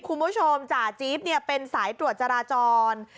คุณผู้ชมจ่าจี๊บเป็นสายตรวจจราจร